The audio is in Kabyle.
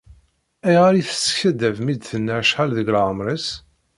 Ayɣer i teskaddeb mi d-tenna acḥal deg leεmer-is?